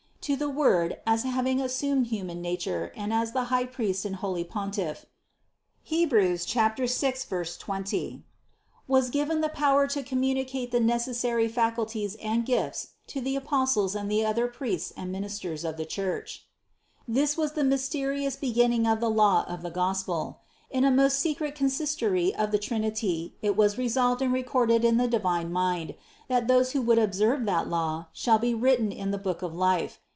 To the Word as having as sumed human nature and as the High Priest and holy Pontiff (Heb. 6, 20), was given the power to communi cate the necessary faculties and gifts to the Apostles and the other priests and ministers of the Church. 117. This was the mysterious beginning of the law of the Gospel. In a most secret consistory of the Trin ity it was resolved and recorded in the divine mind, that those who would observe that law, shall be written in the book of life.